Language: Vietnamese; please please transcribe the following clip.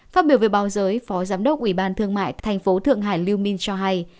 phát biểu về báo giới phó giám đốc ủy ban thương mại tp thượng hải lưu minh cho hay